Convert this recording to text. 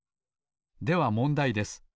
ではもんだいです。